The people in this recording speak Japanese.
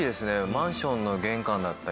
マンションの玄関だったり